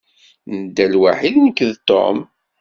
Nedda lwaḥid nekk d Tom.